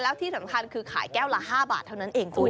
แล้วที่สำคัญคือขายแก้วละ๕บาทเท่านั้นเองคุณ